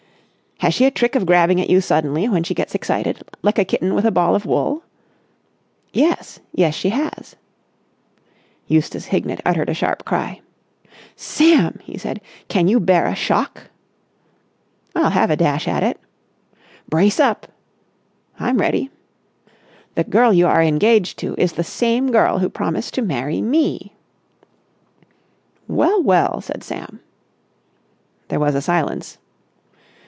"Has she a trick of grabbing at you suddenly, when she gets excited, like a kitten with a ball of wool?" "Yes. Yes, she has." Eustace Hignett uttered a sharp cry. "Sam," he said, "can you bear a shock?" "I'll have a dash at it." "Brace up!" "I'm ready." "The girl you are engaged to is the same girl who promised to marry me." "Well, well!" said Sam. There was a silence.